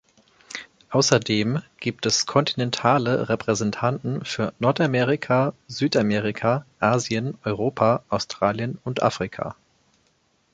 Außerdem gibt es kontinentale Repräsentanten für Nordamerika, Südamerika, Asien, Europa, Australien und Afrika.